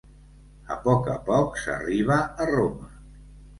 A poc a poc s'arriba a Roma.